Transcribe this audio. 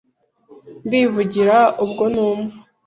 Ndivugira ubwo numva